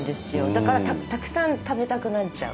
だからたくさん食べたくなっちゃう。